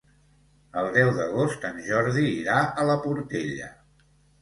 El deu d'agost en Jordi irà a la Portella.